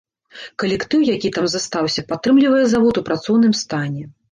Калектыў, які там застаўся, падтрымлівае завод у працоўным стане.